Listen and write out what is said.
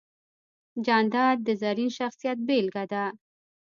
جانداد د زرین شخصیت بېلګه ده.